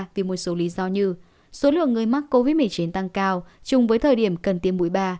vì một số lý do như số lượng người mắc covid một mươi chín tăng cao chung với thời điểm cần tiêm mũi ba